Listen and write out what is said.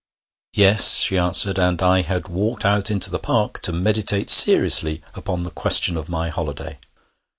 'Yes,' she answered, 'and I had walked out into the park to meditate seriously upon the question of my holiday.'